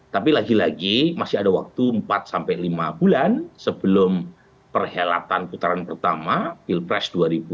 tapi lagi lagi masih ada waktu empat sampai lima bulan sebelum perhelatan putaran pertama pilpres dua ribu dua puluh